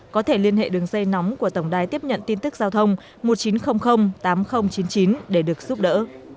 có thể liên hệ đường dây nóng của tổng đài tiếp nhận tin tức giao thông một nghìn chín trăm linh tám nghìn chín mươi chín để được giúp đỡ